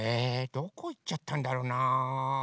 どこいっちゃったんだろうな。